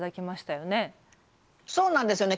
そうなんですよね